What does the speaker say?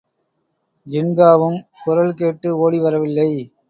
ஜின்காவும் குரல் கேட்டு ஓடி வரவில்லை.